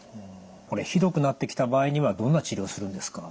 これひどくなってきた場合にはどんな治療をするんですか？